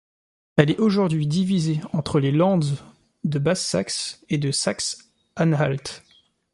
Elle est aujourd'hui divisée entre les Lands de Basse-Saxe et Saxe-Anhalt.